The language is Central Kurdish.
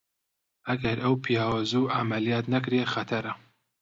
ئەگەر ئەو پیاوە زوو عەمەلیات نەکرێ خەتەرە!